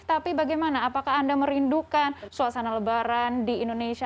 tapi bagaimana apakah anda merindukan suasana lebaran di indonesia